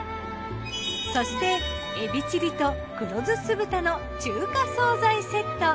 そしてエビチリと黒醋酢豚の中華惣菜セット。